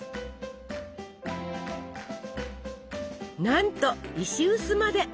なんと石臼まで！